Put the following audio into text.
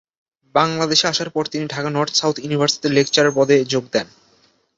বাংলাদেশে আসার পর তিনি ঢাকার নর্থ সাউথ ইউনিভার্সিটিতে লেকচারার পদে যোগ দেন।